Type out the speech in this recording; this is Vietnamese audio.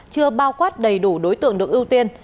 chưa bao quát đầy đủ đối tượng được ưu tiên